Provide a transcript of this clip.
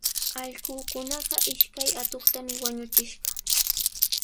Allquukunaqa ishkay atuqtami wañuchishqa.